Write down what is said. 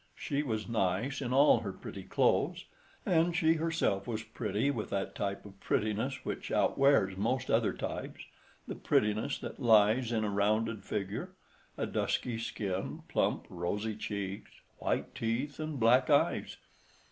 She was "nice" in all her pretty clothes, and she herself was pretty with that type of prettiness which outwears most other types—the prettiness that lies in a rounded figure, a dusky skin, plump, rosy cheeks, white teeth and black eyes.